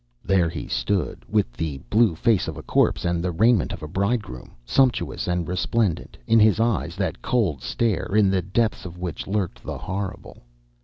There he stood, with the blue face of a corpse and the raiment of a bridegroom, sumptuous and resplendent, in his eyes that cold stare in the depths of which lurked _The Horrible!